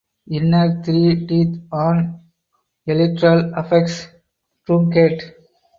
Inner three teeth on elytral apex truncate.